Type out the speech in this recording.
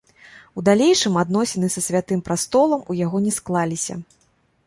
У далейшым адносіны са святым прастолам у яго не склаліся.